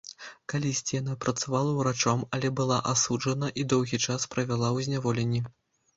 Калісьці яна працавала ўрачом, але была асуджана і доўгі час правяла ў зняволенні.